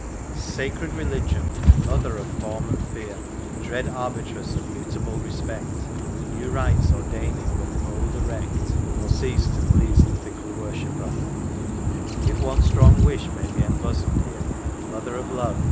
Sacred Religion, " mother of form and fear/' Dread Arbitress of mutable respect, New rites ordaining when the old are wrecked. Or cease to please the fickle worshipper ; If one strong wish may be embosomed here. Mother of Love